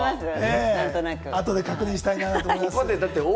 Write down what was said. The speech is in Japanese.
後で確認したいなと思います。